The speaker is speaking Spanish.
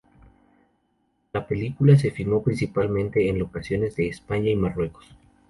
La película se filmó principalmente en locaciones de España y Marruecos.